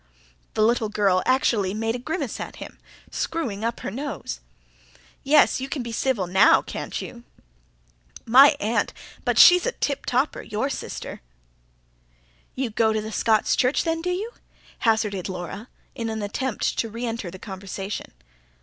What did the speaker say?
The little girl actually made a grimace at him, screwing up her nose. "Yes, you can be civil now, can't you?" "My aunt, but she's a tip topper your sister!" "You go to Scots' Church then, do you?" hazarded Laura, in an attempt to re enter the conversation.